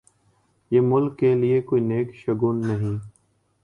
یہ ملک کے لئے کوئی نیک شگون نہیں۔